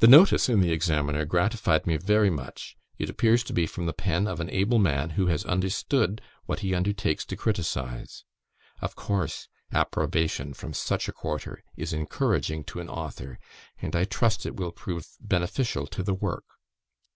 The notice in the Examiner gratified me very much; it appears to be from the pen of an able man who has understood what he undertakes to criticise; of course, approbation from such a quarter is encouraging to an author, and I trust it will prove beneficial to the work.